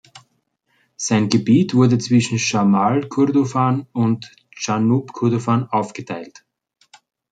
Sein Gebiet wurde zwischen Schamal Kurdufan und Dschanub Kurdufan aufgeteilt.